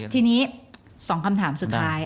ทีนี้๒คำถามสุดท้าย